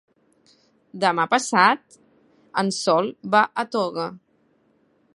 Demà passat en Sol va a Toga.